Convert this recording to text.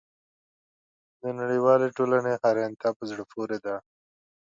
د نړیوالې ټولنې حیرانتیا په زړه پورې ده.